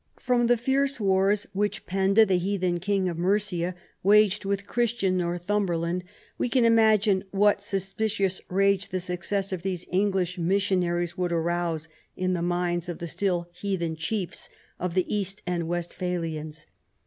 From the fierce wars which Penda, the heathen King of Mercia, waged with Christian Northumberland, we can imagine what suspicious rage the success of these English missionaries Avould arouse in the minds of the still heathen chiefs of the East and "West phalians.